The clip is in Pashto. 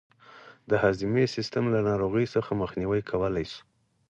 د هضمي سیستم له ناروغیو څخه مخنیوی کولای شو.